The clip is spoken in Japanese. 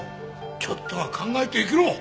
ちょっとは考えて生きろ！